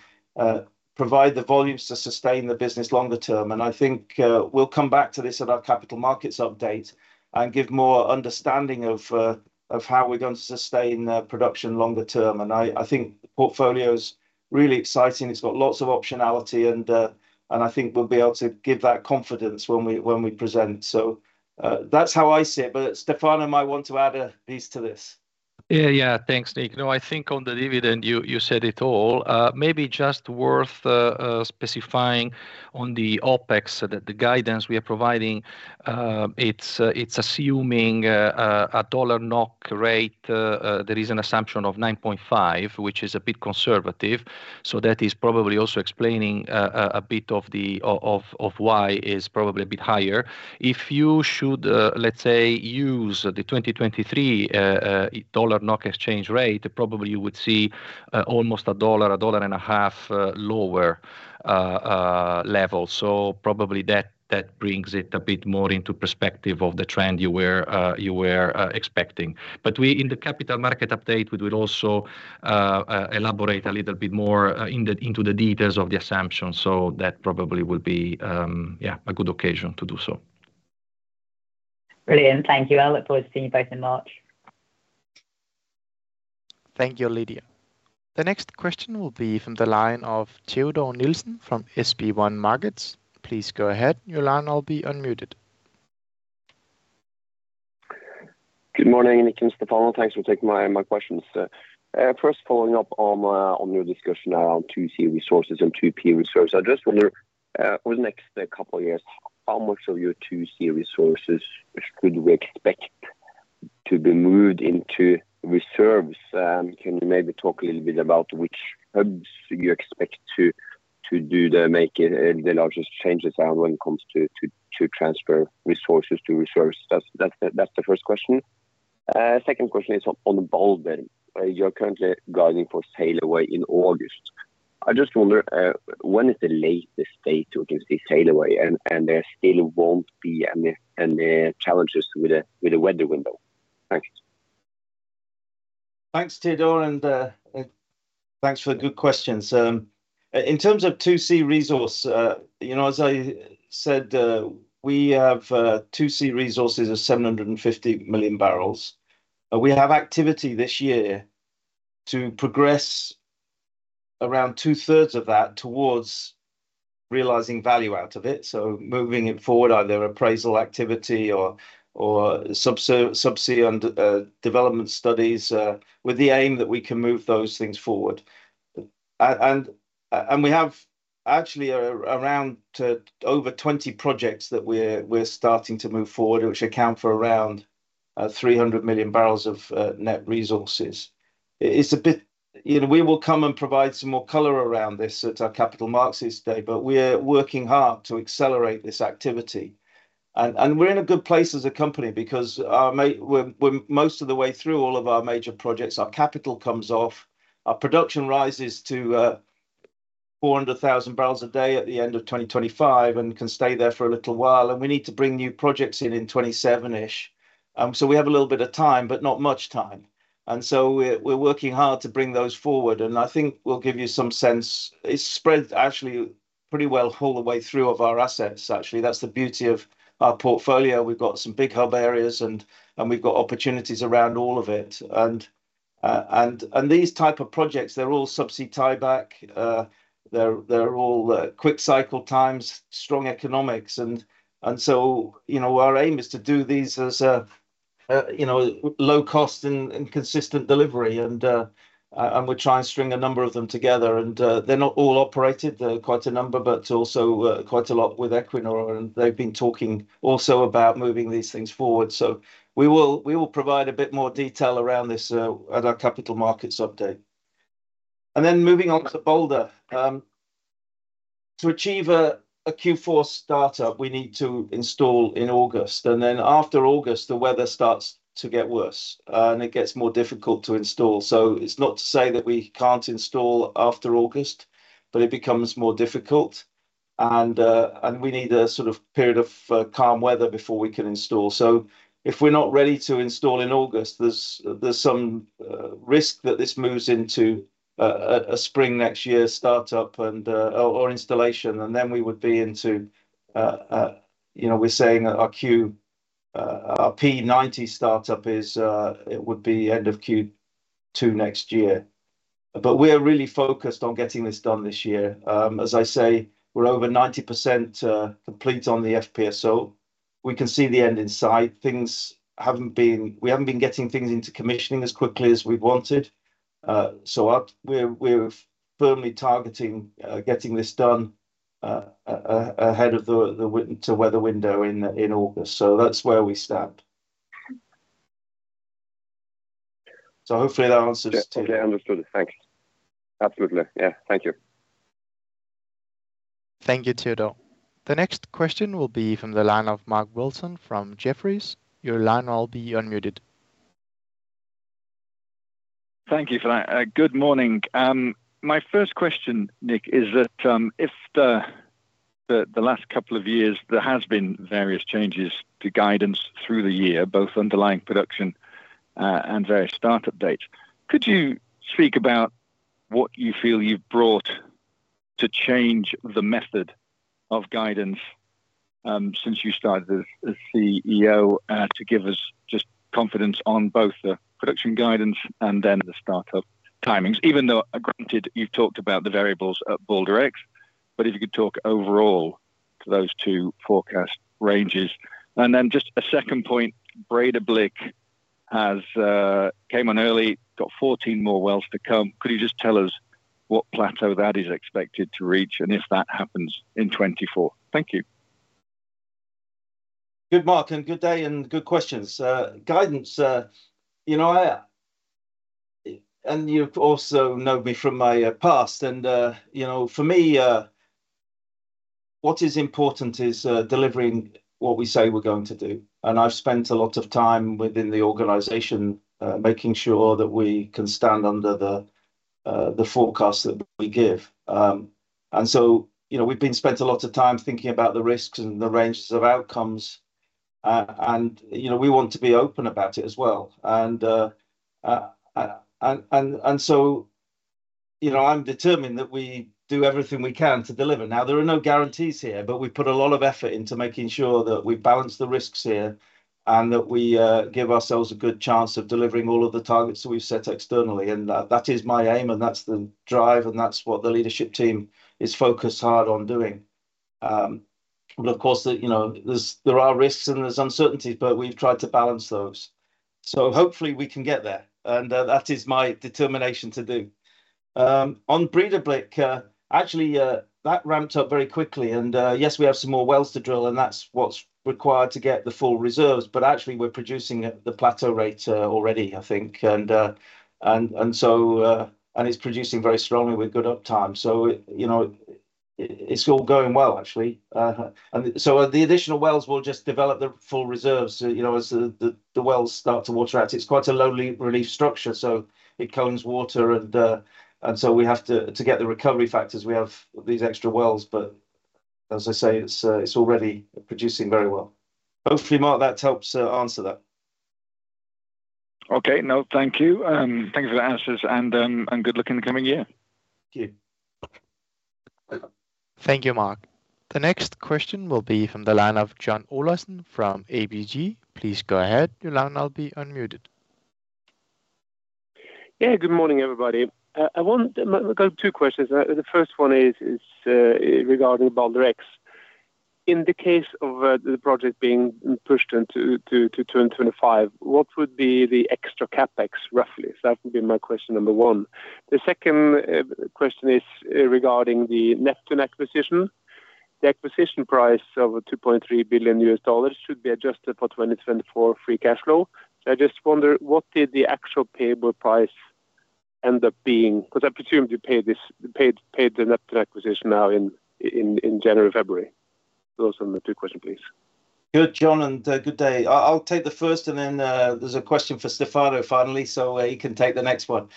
provide the volumes to sustain the business longer term. And I think we'll come back to this at our Capital Markets Update and give more understanding of how we're going to sustain production longer term. I think the portfolio is really exciting. It's got lots of optionality and I think we'll be able to give that confidence when we present. So, that's how I see it, but Stefano might want to add a piece to this. Yeah, yeah. Thanks, Nick. No, I think on the dividend, you said it all. Maybe just worth specifying on the OpEx, so that the guidance we are providing, it's assuming a USD/NOK rate. There is an assumption of 9.5, which is a bit conservative. So that is probably also explaining a bit of the why it's probably a bit higher. If you should, let's say, use the 2023 USD/NOK exchange rate, probably you would see almost $1-$1.5 lower level. So probably that brings it a bit more into perspective of the trend you were expecting. But we, in the Capital Markets Update, we will also elaborate a little bit more into the details of the assumption. So that probably will be, yeah, a good occasion to do so. Brilliant. Thank you. I look forward to seeing you both in March. Thank you, Lydia. The next question will be from the line of Teodor Sveen-Nilsen from SB1 Markets. Please go ahead. Your line will be unmuted. Good morning, Nick and Stefano. Thanks for taking my questions. First, following up on your discussion around 2C resources and 2P reserves, I just wonder over the next couple of years, how much of your 2C resources should we expect to be moved into reserves? And can you maybe talk a little bit about which hubs you expect to make the largest changes around when it comes to transferring resources to reserves? That's the first question. Second question is on Balder. You're currently guiding for sail away in August.... I just wonder, when is the latest date we can see sail away, and there still won't be any challenges with the weather window? Thank you. Thanks, Teodor, and thanks for the good questions. In terms of 2C resource, you know, as I said, we have 2C resources of 750 milllion bbl. We have activity this year to progress around two-thirds of that towards realizing value out of it, so moving it forward, either appraisal activity or subsea under development studies, with the aim that we can move those things forward. And we have actually around to over 20 projects that we're starting to move forward, which account for around 300 milllion bbl of net resources. It's a bit. You know, we will come and provide some more color around this at our Capital Markets Day, but we're working hard to accelerate this activity. We're in a good place as a company because we're most of the way through all of our major projects. Our capital comes off, our production rises to 400,000 bbls a day at the end of 2025 and can stay there for a little while, and we need to bring new projects in in 2027-ish. So we have a little bit of time, but not much time, and so we're working hard to bring those forward, and I think we'll give you some sense. It's spread actually pretty well all the way through of our assets, actually. That's the beauty of our portfolio. We've got some big hub areas, and we've got opportunities around all of it. And these type of projects, they're all subsea tie-back. They're all quick cycle times, strong economics, and so, you know, our aim is to do these as a, you know, low cost and consistent delivery, and we're trying to string a number of them together, and they're not all operated. There are quite a number, but also quite a lot with Equinor, and they've been talking also about moving these things forward. So we will provide a bit more detail around this at our capital markets update. And then moving on to Balder. To achieve a Q4 startup, we need to install in August, and then after August, the weather starts to get worse, and it gets more difficult to install. So it's not to say that we can't install after August, but it becomes more difficult, and and we need a sort of period of calm weather before we can install. So if we're not ready to install in August, there's some risk that this moves into a spring next year startup and or installation, and then we would be into you know, we're saying that our Q our P90 startup is it would be end of Q2 next year. But we're really focused on getting this done this year. As I say, we're over 90% complete on the FPSO. We can see the end in sight. Things haven't been... We haven't been getting things into commissioning as quickly as we wanted. So we're firmly targeting getting this done ahead of the weather window in August. So that's where we stand. So hopefully that answers- Yeah, okay, understood. Thanks. Absolutely. Yeah. Thank you. Thank you, Teodor. The next question will be from the line of Mark Wilson from Jefferies. Your line will be unmuted. Thank you for that. Good morning. My first question, Nick, is that, if the, the, the last couple of years, there has been various changes to guidance through the year, both underlying production, and various startup dates. Could you speak about what you feel you've brought to change the method of guidance, since you started as, as CEO, to give us just confidence on both the production guidance and then the startup timings? Even though, granted, you've talked about the variables at Balder X, but if you could talk overall to those two forecast ranges. And then just a second point, Breidablikk has, came on early, got 14 more wells to come. Could you just tell us what plateau that is expected to reach and if that happens in 2024? Thank you. Good Mark, and good day, and good questions. Guidance, you know, I, and you've also known me from my past, and you know, for me, what is important is delivering what we say we're going to do, and I've spent a lot of time within the organization, making sure that we can stand under the the forecast that we give. And so, you know, we've been spent a lot of time thinking about the risks and the ranges of outcomes, and you know, we want to be open about it as well. And so, you know, I'm determined that we do everything we can to deliver. Now, there are no guarantees here, but we put a lot of effort into making sure that we balance the risks here and that we give ourselves a good chance of delivering all of the targets that we've set externally, and that is my aim, and that's the drive, and that's what the leadership team is focused hard on doing. But of course, you know, there are risks, and there's uncertainties, but we've tried to balance those. So hopefully we can get there, and that is my determination to do. On Breidablikk, actually, that ramped up very quickly, and yes, we have some more wells to drill, and that's what's required to get the full reserves, but actually, we're producing at the plateau rate already, I think. And so it's producing very strongly with good uptime. So, you know, it's all going well, actually. And so the additional wells will just develop the full reserves, you know, as the wells start to water out. It's quite a low relief structure, so it cones water, and so we have to get the recovery factors, we have these extra wells, but as I say, it's already producing very well. Hopefully, Mark, that helps answer that. Okay. No, thank you. Thank you for the answers, and, and good luck in the coming year. Thank you. Thank you, Mark. The next question will be from the line of John Olaisen from ABG. Please go ahead. Your line now will be unmuted. Yeah. Good morning, everybody. I want—I got two questions. The first one is regarding Balder X. In the case of the project being pushed into to 2025, what would be the extra CapEx, roughly? So that would be my question number one. The second question is regarding the Neptune acquisition. The acquisition price of $2.3 billion should be adjusted for 2024 free cash flow. So I just wonder, what did the actual payable price end up being? Because I presume you paid this, paid, paid the Neptune acquisition now in January, February. Those are my two question, please. Good, John, and good day. I'll take the first, and then there's a question for Stefano finally, so he can take the next one.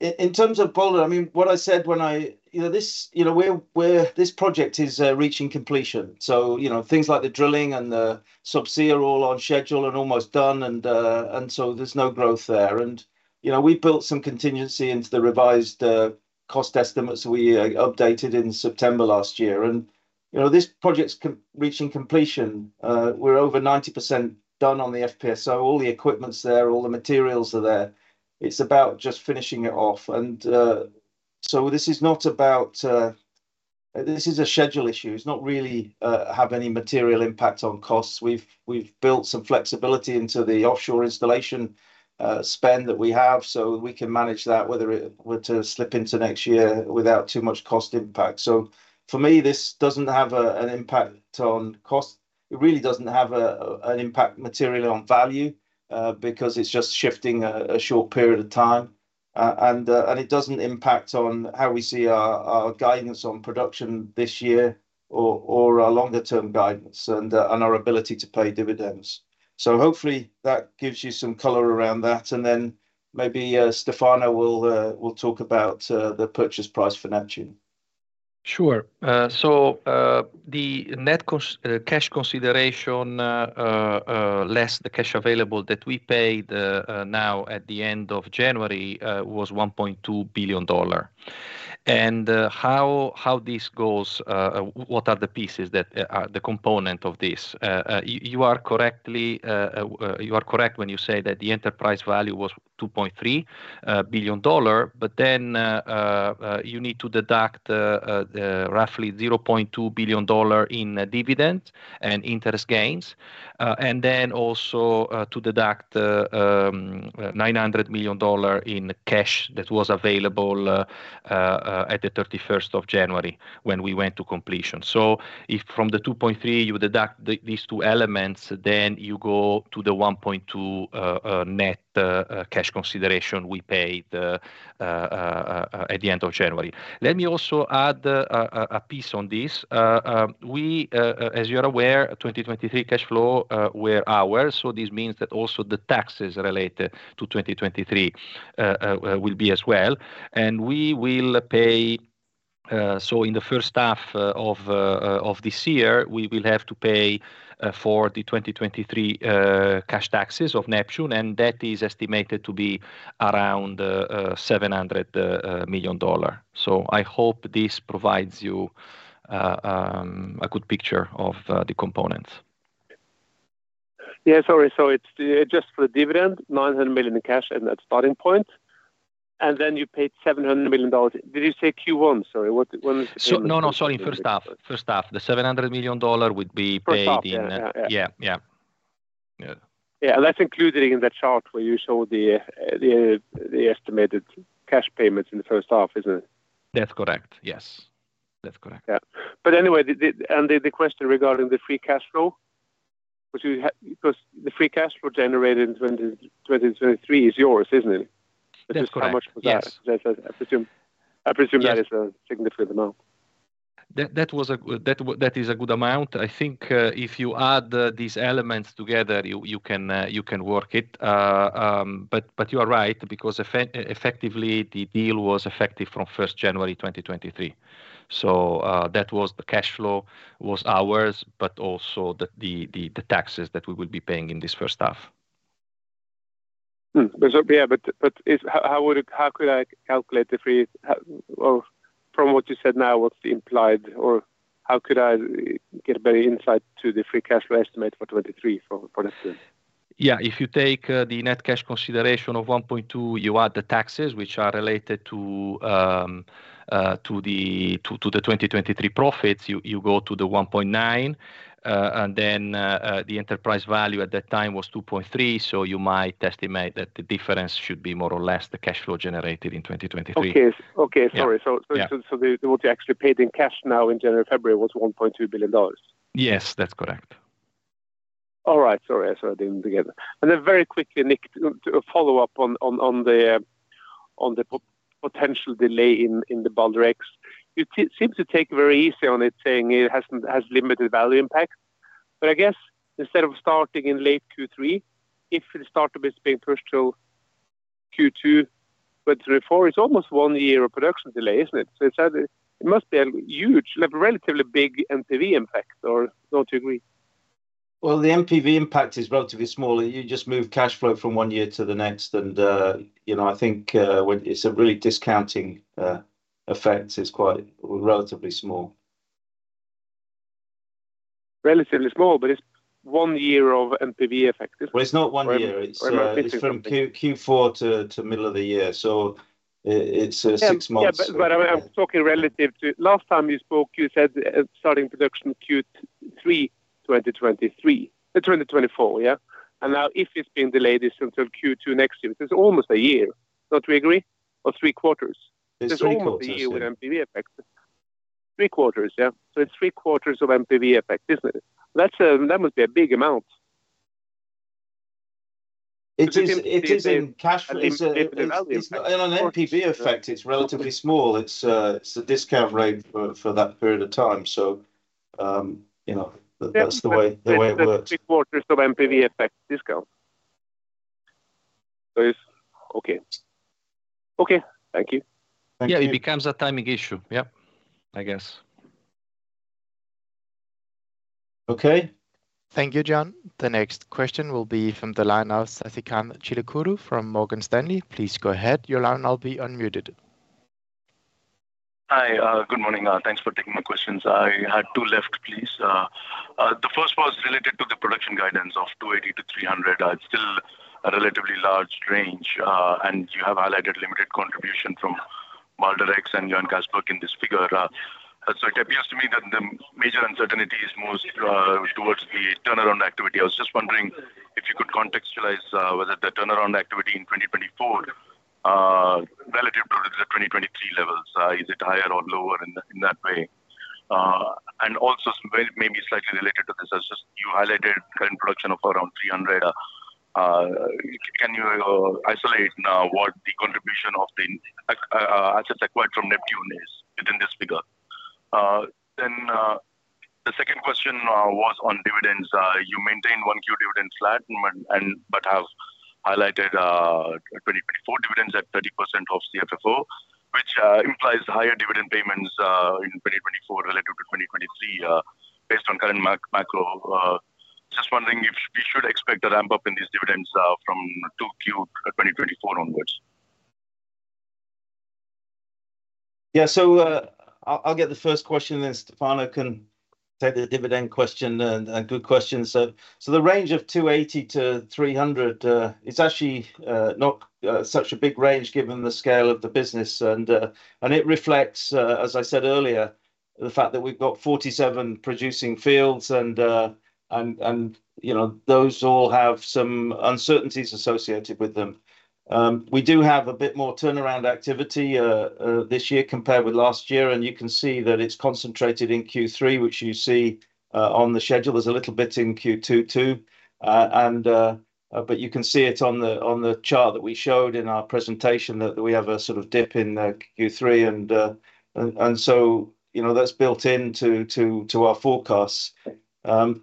In terms of Balder, I mean, what I said when I... You know, this, you know, we're, we're -- this project is reaching completion. So, you know, things like the drilling and the subsea are all on schedule and almost done, and so there's no growth there. And, you know, we built some contingency into the revised cost estimates we updated in September last year. And, you know, this project is reaching completion. We're over 90% done on the FPSO, so all the equipment's there, all the materials are there. It's about just finishing it off. And so this is not about... This is a schedule issue. It's not really have any material impact on costs. We've built some flexibility into the offshore installation spend that we have, so we can manage that, whether it were to slip into next year without too much cost impact. So for me, this doesn't have an impact on cost. It really doesn't have an impact materially on value, because it's just shifting a short period of time. And it doesn't impact on how we see our guidance on production this year or our longer-term guidance and our ability to pay dividends. So hopefully that gives you some color around that, and then maybe Stefano will talk about the purchase price for Neptune. Sure. So, the net cost, cash consideration, less the cash available that we paid, now at the end of January, was $1.2 billion. And, how this goes, what are the pieces that are the component of this? You are correct when you say that the enterprise value was $2.3 billion, but then you need to deduct roughly $0.2 billion in dividend and interest gains. And then also, to deduct, $900 million in cash that was available at the thirty-first of January, when we went to completion. So if from the 2.3, you would deduct the, these two elements, then you go to the 1.2, net cash consideration we paid, at the end of January. Let me also add, a piece on this. We, as you're aware, 2023 cash flow, were ours, so this means that also the taxes related to 2023, will be as well. And we will pay, so in the first half, of this year, we will have to pay, for the 2023, cash taxes of Neptune, and that is estimated to be around, $700 million. So I hope this provides you, a good picture of, the components. Yeah, sorry. So it's just for the dividend, $900 million in cash, and that's starting point, and then you paid $700 million. Did you say Q1? Sorry, what, when is- No, no, sorry. First half, first half. The $700 million would be- First half... paid in. Yeah. Yeah, yeah. Yeah. Yeah, that's included in the chart where you show the estimated cash payments in the first half, isn't it? That's correct. Yes, that's correct. Yeah. But anyway, the question regarding the free cash flow, because the free cash flow generated in 2023 is yours, isn't it? That's correct, yes. I presume that- Yes... is a significant amount. That was a good amount. That is a good amount. I think if you add these elements together, you can work it. But you are right because effectively, the deal was effective from first January 2023. So, that was the cash flow was ours, but also the taxes that we will be paying in this first half. Hmm. Yeah, but if... How would, how could I calculate the free... Well, from what you said now, what's the implied, or how could I get a better insight to the free cash flow estimate for 2023 for this? Yeah, if you take the net cash consideration of $1.2, you add the taxes, which are related to the 2023 profits, you go to the $1.9, and then the enterprise value at that time was $2.3. So you might estimate that the difference should be more or less the cash flow generated in 2023. Okay, okay. Yeah. Sorry. Yeah. What you actually paid in cash now in January, February was $1.2 billion? Yes, that's correct.... All right. Sorry, I saw them together. And then very quickly, Nick, to follow up on the potential delay in the Balder X. You seem to take it very easy on it, saying it has limited value impact. But I guess instead of starting in late Q3, if it started being pushed till Q2 2024, it's almost one year of production delay, isn't it? So it must be a huge, like, a relatively big NPV impact or don't you agree? Well, the NPV impact is relatively small. You just move cash flow from one year to the next, and, you know, I think, when it's a really discounting, effect, it's quite relatively small. Relatively small, but it's one year of NPV effect, isn't it? Well, it's not one year. Or it's- It's from Q4 to middle of the year, so it's six months. Yeah, but I'm talking relative to... Last time you spoke, you said starting production Q3 2023, 2024, yeah? And now, if it's being delayed this until Q2 next year, it is almost a year. Don't we agree? Or three quarters? It's almost a year. With NPV effect. Three quarters, yeah. So it's three quarters of NPV effect, isn't it? That's a, that must be a big amount. It is, it is in cash flow- The NPV effect. On an NPV effect, it's relatively small. It's a discount rate for that period of time. So, you know, that's the way it works. Three quarters of NPV effect discount. So it's okay. Okay, thank you. Thank you. Yeah, it becomes a timing issue. Yep, I guess. Okay. Thank you, John. The next question will be from the line of Sasikanth Chilukuru from Morgan Stanley. Please go ahead. Your line will now be unmuted. Hi. Good morning. Thanks for taking my questions. I had two left, please. The first was related to the production guidance of 280-300. It's still a relatively large range, and you have highlighted limited contribution from Balder X and Johan Castberg in this figure. So it appears to me that the major uncertainty is most towards the turnaround activity. I was just wondering if you could contextualize whether the turnaround activity in 2024, relative to the 2023 levels, is it higher or lower in that way? And also, well, maybe slightly related to this, as just you highlighted current production of around 300, can you isolate what the contribution of the assets acquired from Neptune is within this figure? The second question was on dividends. You maintained 1Q dividend flat and, and but have highlighted 2024 dividends at 30% of CFFO, which implies higher dividend payments in 2024 relative to 2023 based on current macro. Just wondering if we should expect a ramp-up in these dividends from 2Q 2024 onwards. Yeah. So, I'll get the first question, then Stefano can take the dividend question, and good question. So the range of 280-300, it's actually not such a big range given the scale of the business. And it reflects, as I said earlier, the fact that we've got 47 producing fields and, you know, those all have some uncertainties associated with them. We do have a bit more turnaround activity this year compared with last year, and you can see that it's concentrated in Q3, which you see on the schedule. There's a little bit in Q2, too, and, but you can see it on the, on the chart that we showed in our presentation, that we have a sort of dip in, Q3 and, and so, you know, that's built into our forecasts. And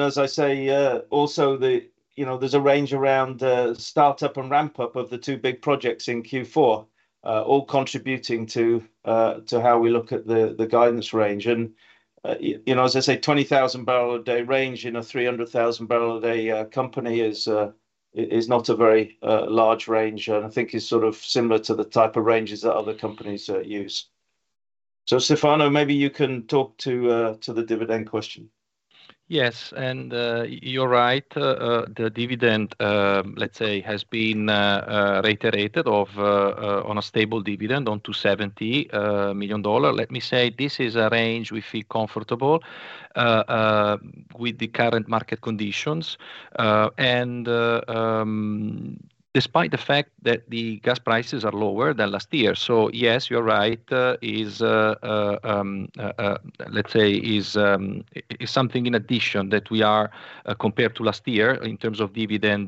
as I say, also the, you know, there's a range around, startup and ramp-up of the two big projects in Q4, all contributing to, to how we look at the, the guidance range. And, you know, as I say, 20,000 bbl a day range in a 300,000 bbl a day, company is not a very, large range, and I think is sort of similar to the type of ranges that other companies, use. So, Stefano, maybe you can talk to the dividend question. Yes, you're right. The dividend, let's say, has been reiterated of on a stable dividend on $270 million. Let me say, this is a range we feel comfortable with the current market conditions, and despite the fact that the gas prices are lower than last year. So yes, you're right, is something in addition that we are compared to last year in terms of dividend,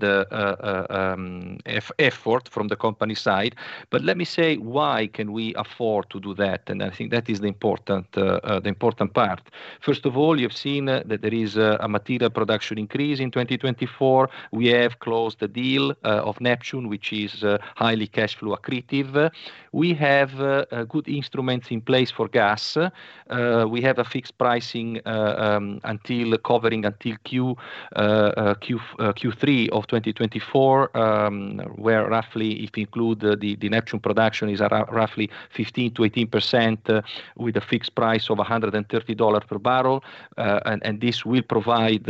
effort from the company side. But let me say, why can we afford to do that? I think that is the important part. First of all, you've seen that there is a material production increase in 2024. We have closed the deal of Neptune, which is highly cash flow accretive. We have good instruments in place for gas. We have a fixed pricing until covering until Q3 of 2024, where roughly, if you include the Neptune production, is roughly 15%-18% with a fixed price of $130 per bbl. And this will provide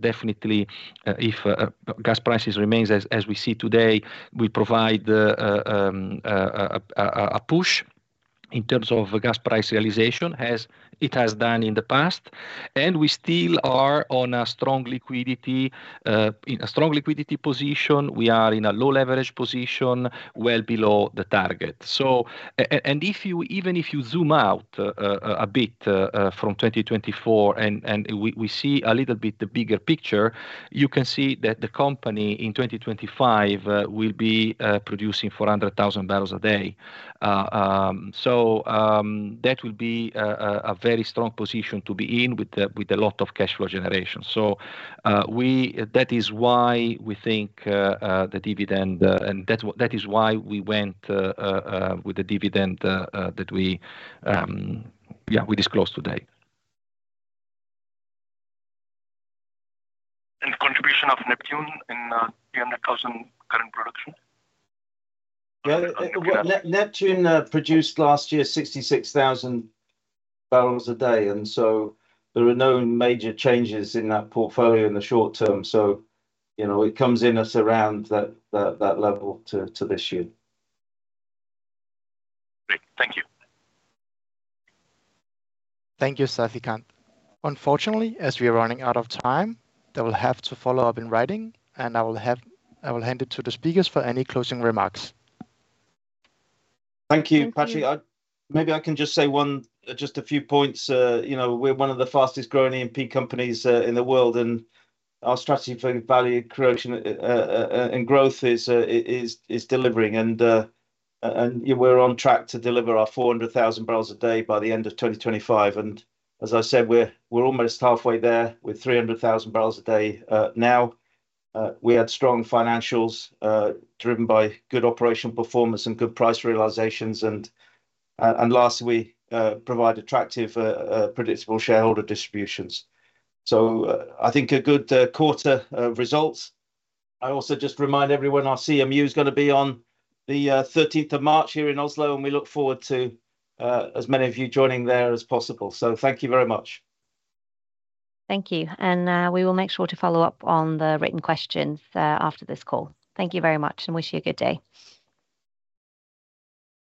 definitely, if gas prices remains as we see today, will provide a push in terms of gas price realization, as it has done in the past, and we still are on a strong liquidity in a strong liquidity position. We are in a low leverage position, well below the target. So, if you even zoom out a bit from 2024 and we see a little bit the bigger picture, you can see that the company in 2025 will be producing 400,000 bbl a day. So, that will be a very strong position to be in with a lot of cash flow generation. So, that is why we think the dividend, and that is why we went with the dividend that we yeah we disclosed today. Contribution of Neptune in 300,000 current production? Yeah, Neptune produced last year 66,000 bbl a day, and so there are no major changes in that portfolio in the short term. So, you know, it comes in at around that level to this year. Great. Thank you. Thank you, Sasikanth. Unfortunately, as we are running out of time, they will have to follow up in writing, and I will hand it to the speakers for any closing remarks. Thank you, Patrick. Maybe I can just say one, just a few points. You know, we're one of the fastest growing E&P companies in the world, and our strategy for value creation and growth is delivering. And we're on track to deliver our 400,000 bbl a day by the end of 2025. And as I said, we're almost halfway there with 300,000 bbl a day now. We had strong financials driven by good operational performance and good price realizations. And lastly, provide attractive predictable shareholder distributions. So I think a good quarter results. I also just remind everyone, our CMU is gonna be on the thirteenth of March here in Oslo, and we look forward to as many of you joining there as possible. So thank you very much. Thank you, and we will make sure to follow up on the written questions after this call. Thank you very much, and wish you a good day.